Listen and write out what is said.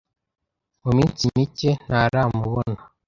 Mu minsi mike ntaramubona.